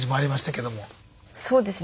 そうですね。